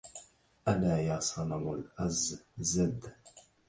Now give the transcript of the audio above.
ألا يا صنم الأززد